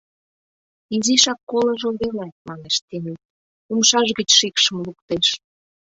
— Изишак колыжо веле, — манеш Темит, умшаж гыч шикшым луктеш.